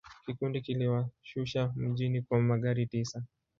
Kikundi kiliwashusha mjini kwa magari tisa.